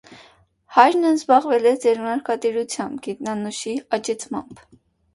Հայրն զբաղվել է ձեռնարկատիրությամբ՝ գետնանուշի աճեցմամբ։